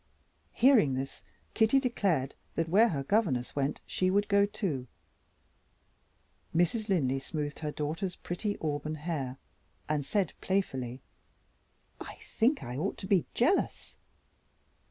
Hearing this, Kitty declared that where her governess went she would go too. Mrs. Linley smoothed her daughter's pretty auburn hair, and said, playfully: "I think I ought to be jealous."